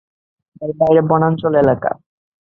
এর বাইরে বনাঞ্চল এলাকা।